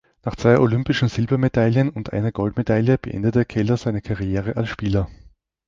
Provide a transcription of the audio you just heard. Nach zwei olympischen Silbermedaillen und einer Goldmedaille beendete Keller seine Karriere als Spieler.